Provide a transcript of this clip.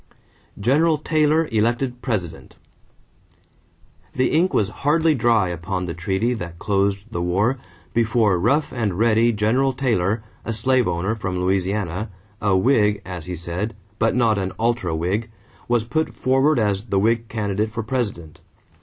=General Taylor Elected President.= The ink was hardly dry upon the treaty that closed the war before "rough and ready" General Taylor, a slave owner from Louisiana, "a Whig," as he said, "but not an ultra Whig," was put forward as the Whig candidate for President.